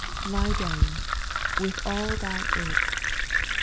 2. Lie down, with all thy aches.